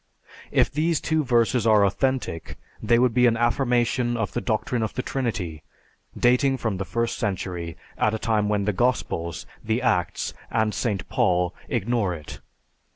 If these two verses are authentic, they would be an affirmation of the doctrine of the Trinity, dating from the first century, at a time when the Gospels, the Acts, and St. Paul ignore it.